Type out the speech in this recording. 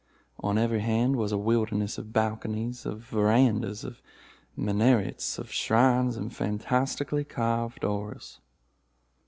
On every hand was a wilderness of balconies, of verandas, of minarets, of shrines, and fantastically carved oriels.